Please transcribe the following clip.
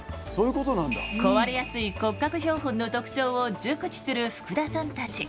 壊れやすい骨格標本の特徴を熟知する福田さんたち。